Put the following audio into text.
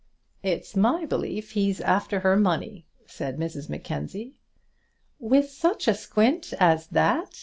"It's my belief he's after her money," said Mrs Mackenzie. "With such a squint as that!"